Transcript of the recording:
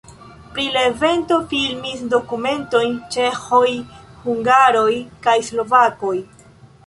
Pri la evento filmis dokumentojn ĉeĥoj, hungaroj kaj slovakoj.